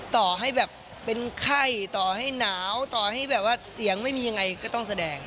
ต่อให้แบบเป็นไข้ต่อให้หนาวต่อให้แบบว่าเสียงไม่มียังไงก็ต้องแสดง